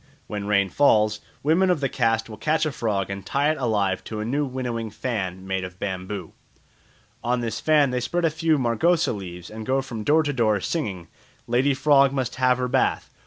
When rain fails, women of the caste will catch a frog and tie it alive to a new winnowing fan made of bamboo. On this fan they spread a few margosa leaves and go from door to door singing, "Lady frog must have her bath.